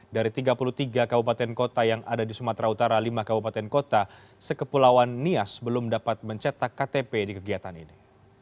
dari tiga puluh tiga kabupaten kota yang ada di sumatera utara lima kabupaten kota sekepulauan nias belum dapat mencetak ktp di kegiatan ini